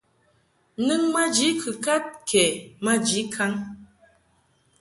Nɨŋ maji kɨkad kɛ maji kaŋ.